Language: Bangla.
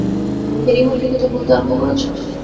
এরই মধ্যে কি তা ভুলতে আরম্ভ করেছ।